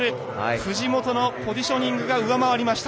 藤本のポジショニングが上回りました。